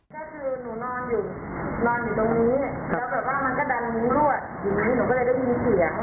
ก็คือหนูนอนอยู่นอนอยู่ตรงนี้ครับแล้วแบบว่ามันก็ดันลุ้นรวดอยู่ในนี้หนูก็เลยก็ยินเสียงอ๋อ